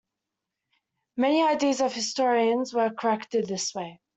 Many ideas of historians were corrected this way.